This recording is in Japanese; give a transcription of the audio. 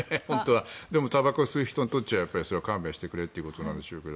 でもたばこを吸う人にとってはそれは勘弁してくれということでしょうが。